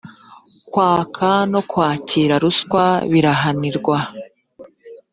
kwaka no kwakira ruswa birahanirwa